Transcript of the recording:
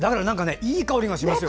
いい香りがしますよ